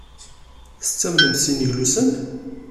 Tettamnemt s yineglusen?